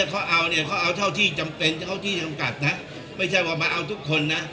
คุณอย่ามาอ้างแหมว่าวาดกว่า